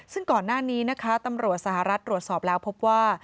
ซึ่งก่อนหน้านี้นะคะตำรวจสหรัฐตรวจสอบแล้วพบว่า